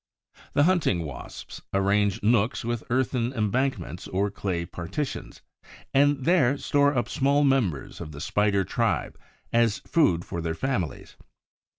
The Hunting wasps arrange nooks with earthen embankments or clay partitions, and there store up small members of the Spider tribe as food for their families.